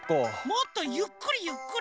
もっとゆっくりゆっくり！